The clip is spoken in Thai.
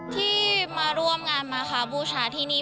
ที่มาร่วมงานมาค่ะบูชาที่นี่